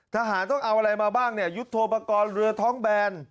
ทหารต้องเอาอะไรมาบ้างเนี่ยยุทธโปรกรณ์เรือท้องแบน